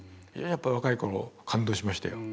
やっぱり若い頃感動しましたよ。